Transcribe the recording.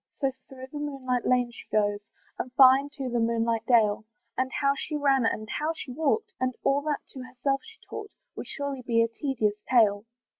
So, through the moonlight lane she goes, And far into the moonlight dale; And how she ran, and how she walked, And all that to herself she talked, Would surely be a tedious tale.